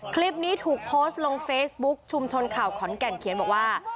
คลิปนี้ถูกโพสต์ลงเฟซบุ๊คชุมชนข่าวขอนแก่นเขียนบอกว่า